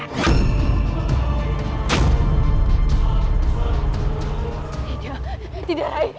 tidak tidak ray